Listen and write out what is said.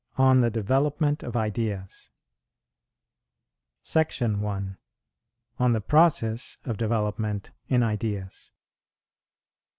ON THE DEVELOPMENT OF IDEAS. SECTION I. ON THE PROCESS OF DEVELOPMENT IN IDEAS.